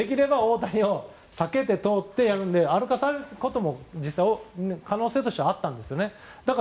できれば大谷を避けて通ってやるので歩かされることも可能性としてあったんです。